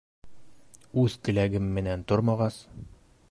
Үҙ теләгем менән тормағас